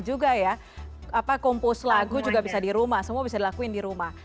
juga ya kompos lagu juga bisa di rumah semua bisa dilakuin di rumah